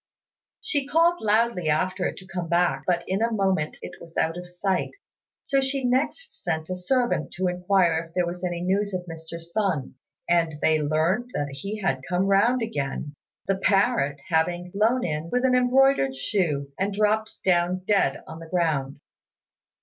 She called loudly after it to come back, but in a moment it was out of sight; so she next sent a servant to inquire if there was any news of Mr. Sun, and then learnt that he had come round again, the parrot having flown in with an embroidered shoe and dropped down dead on the ground.